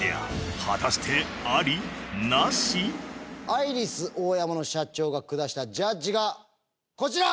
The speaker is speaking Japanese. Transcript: アイリスオーヤマの社長が下したジャッジがこちら！